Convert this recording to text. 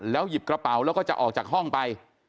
หยิบกระเป๋าแล้วก็จะออกจากห้องไป